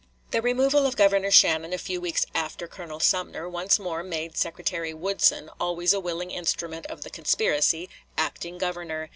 The removal of Governor Shannon a few weeks after Colonel Sumner once more made Secretary Woodson, always a willing instrument of the conspiracy, acting Governor.